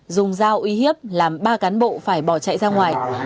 dùng dao uy hiếp làm ba cán bộ phải bỏ chạy ra ngoài